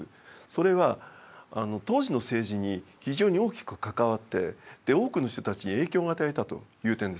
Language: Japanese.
それは当時の政治に非常に大きく関わって多くの人たちに影響を与えたという点ですね。